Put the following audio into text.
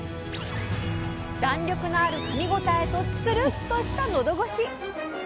弾力のあるかみ応えとツルッとしたのどごし。